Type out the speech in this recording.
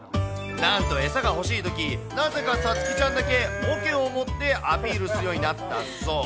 なんと餌が欲しいとき、なぜかさつきちゃんだけ、おけを持ってアピールするようになったそう。